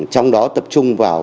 trong đó tập trung vào